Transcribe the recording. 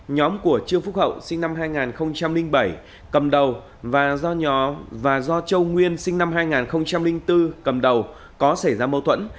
nhóm của trương phúc hậu sinh năm hai nghìn bảy cầm đầu và do châu nguyên sinh năm hai nghìn bốn cầm đầu có xảy ra mâu thuẫn